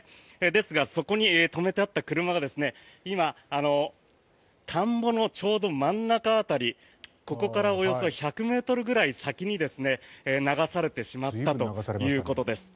ですがそこに止めてあった車が今、田んぼのちょうど真ん中辺りここからおよそ１００ｍぐらい先に流されてしまったということです。